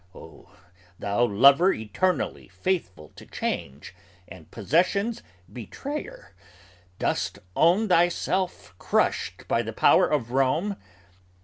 Oh thou lover eternally faithful to change, and Possession's betrayer, dost own thyself crushed by the power Of Rome?